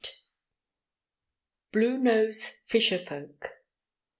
] *BLUE NOSE FISHER FOLK.